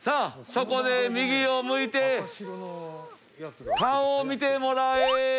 そこで右を向いて顔を見てもらえ。